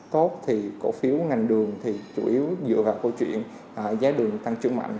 tốt thì cổ phiếu ngành đường thì chủ yếu dựa vào câu chuyện giá đường tăng trưởng mạnh